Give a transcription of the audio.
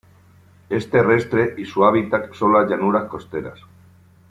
Es terrestre y su hábitat son las llanuras costeras.